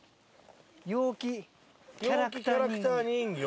「陽気キャラクタ人形」。